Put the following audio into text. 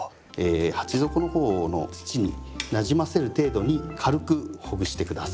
鉢底の方の土になじませる程度に軽くほぐして下さい。